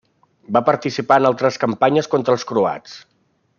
Va participar en altres campanyes contra els croats.